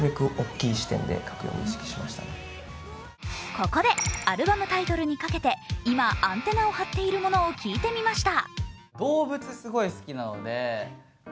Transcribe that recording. ここで、アルバムタイトルにかけて今アンテナを張っているものを聞いてみました。